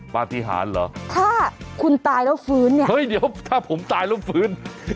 ปฏิหารเหรอถ้าคุณตายแล้วฟื้นเนี่ยเฮ้ยเดี๋ยวถ้าผมตายแล้วฟื้น